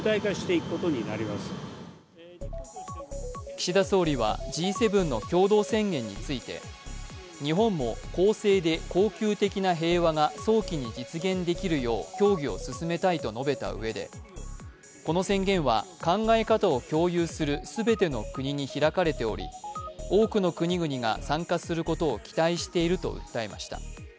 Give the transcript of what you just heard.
岸田総理はＧ７の共同宣言について、日本も公正で恒久的な平和が早期に実現できるよう協議を進めたいと述べたうえで、この宣言は考え方を共有する全ての国に開かれており多くの国々が参加することを期待していると訴えました。